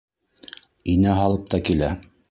Инә һалып та килә.